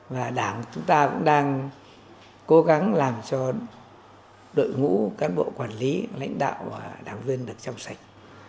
và đảng chúng ta cũng đang cố gắng làm cho đội ngũ cán bộ quản lý lãnh đạo và đảng viên được chăm sạch